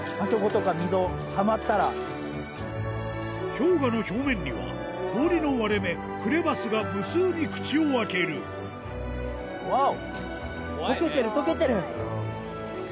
氷河の表面には氷の割れ目クレバスが無数に口を開けるワオ！